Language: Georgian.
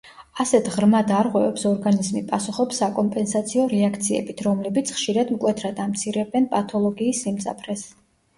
ასეთ ღრმა დარღვევებს ორგანიზმი პასუხობს საკომპენსაციო რეაქციებით, რომლებიც, ხშირად მკვეთრად ამცირებენ პათოლოგიის სიმძაფრეს.